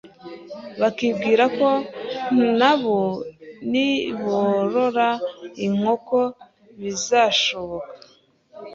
bakibwira ko nabo niborora inkoko bizashoboka